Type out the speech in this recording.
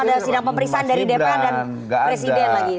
ada sidang pemeriksaan dari dpr dan presiden lagi